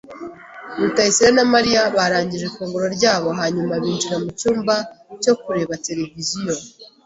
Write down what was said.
Rutayisire na Mariya barangije ifunguro ryabo hanyuma binjira mucyumba cyo kureba televiziyo.